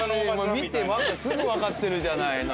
見てもうあんたすぐわかってるじゃないの。